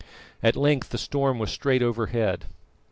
At length the storm was straight over head.